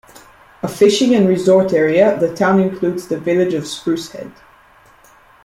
A fishing and resort area, the town includes the village of Spruce Head.